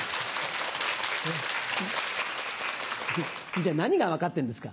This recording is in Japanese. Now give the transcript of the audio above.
じゃあ何が分かってんですか？